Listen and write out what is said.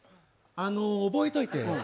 あの、覚えといて。